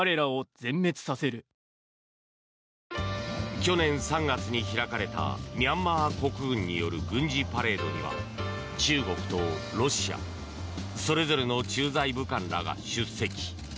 去年３月に開かれたミャンマー国軍による軍事パレードには中国とロシアそれぞれの駐在武官らが出席。